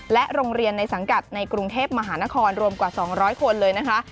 โรงเรียนในสังกัดในกรุงเทพมหานครรวมกว่า๒๐๐คนเลยนะคะ